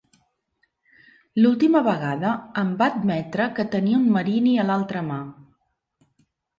L'última vegada em va admetre que tenia un marini a l'altra mà.